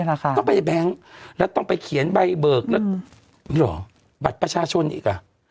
ต้องไปในแบงค์แล้วต้องไปเขียนใบเบิกแล้วเหรอบัตรประชาชนอีกอ่ะ